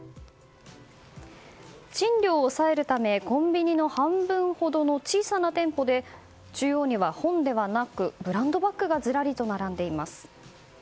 賃料を抑えるためコンビニの半分ほどの小さな店舗で中央には本ではなくブランドバッグがずらりと並んでいます。